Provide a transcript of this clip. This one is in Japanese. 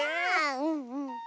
うんうん。